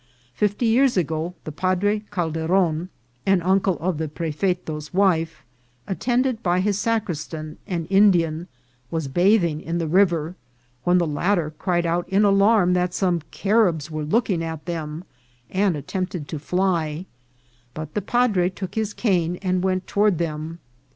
Fifty years ago the Pa dre Calderon, an uncle of the prefeto's wife, attended by his sacristan, an Indian, was bathing in the river, when the latter cried out in alarm that some Caribs were looking at them, and attempted to fly; but the padre took his cane and went toward them.